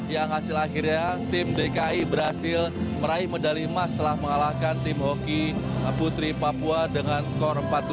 yang hasil akhirnya tim dki berhasil meraih medali emas setelah mengalahkan tim hoki putri papua dengan skor empat tujuh